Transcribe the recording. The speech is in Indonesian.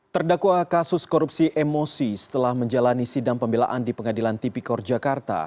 terdakwa kasus korupsi emosi setelah menjalani sidang pembelaan di pengadilan tipikor jakarta